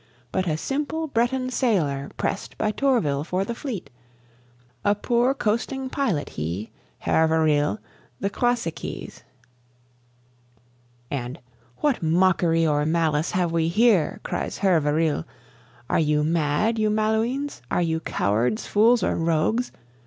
But a simple Breton sailor pressed by Tourville for the fleet A poor coasting pilot he, Hervé Riel, the Croisiekese. And "What mockery or malice have we here?" cries Hervé Riel: "Are you mad, you Malouins? Are you cowards, fools, or rogues?